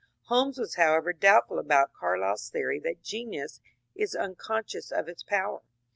*' Holmes was however doubtful about Carlyle's theory that genius is unconscious of its power.